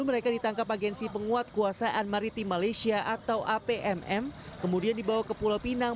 mereka ditangkap agensi penguatkuasaan mariti malaysia atau apmm kemudian dibawa ke pulau pinang